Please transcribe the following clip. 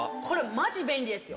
マジ便利ですよ。